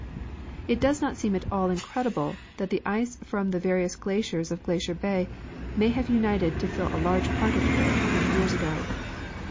It does not seem at all incredible that the ice from the various glaciers of Glacier bay may have united to fill a large part of the bay a hundred years ago.